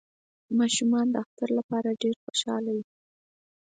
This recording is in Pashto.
ماشومان د اختر لپاره ډیر خوشحاله وی